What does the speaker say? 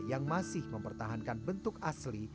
yang masih mempertahankan bentuk asli